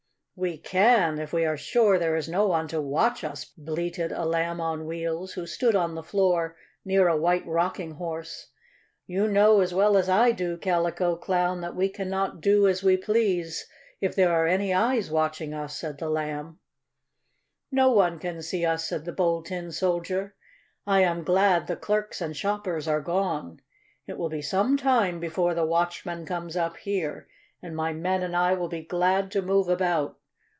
"We can, if we are sure there is no one to watch us," bleated a Lamb on Wheels, who stood on the floor near a White Rocking Horse. "You know, as well as I do, Calico Clown, that we cannot do as we please if there are any eyes watching us," said the Lamb. "No one can see us," said the Bold Tin Soldier. "I am glad the clerks and shoppers are gone. It will be some time before the watchman comes up here, and my men and I will be glad to move about.